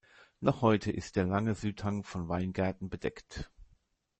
Noch heute ist der lange Südhang von Weingärten bedeckt.